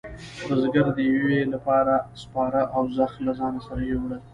بزگر د یویې لپاره سپاره او زخ له ځانه سره وېوړل.